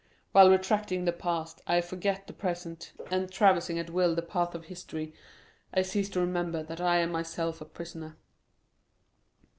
While retracing the past, I forget the present; and traversing at will the path of history I cease to remember that I am myself a prisoner."